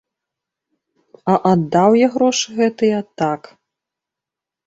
А аддаў я грошы гэтыя так.